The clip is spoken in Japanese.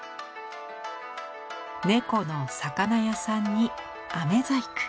猫の魚屋さんに飴細工。